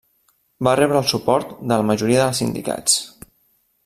Va rebre el suport de la majoria de sindicats.